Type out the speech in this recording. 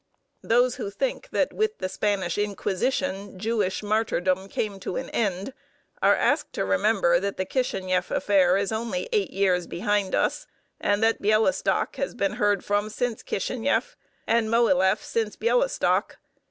Those who think that with the Spanish Inquisition Jewish martyrdom came to an end are asked to remember that the Kishinieff affair is only eight years behind us, and that Bielostock has been heard from since Kishinieff, and Mohileff since Bielostock.